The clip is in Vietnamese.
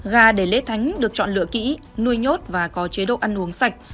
gà để lễ thánh được chọn lựa kỹ nuôi nhốt và có chế độ ăn uống sạch